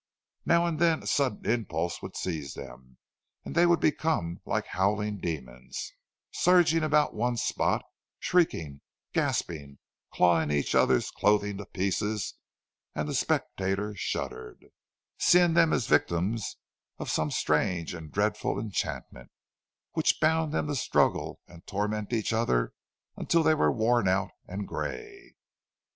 Now and then a sudden impulse would seize them, and they would become like howling demons, surging about one spot, shrieking, gasping, clawing each other's clothing to pieces; and the spectator shuddered, seeing them as the victims of some strange and dreadful enchantment, which bound them to struggle and torment each other until they were worn out and grey.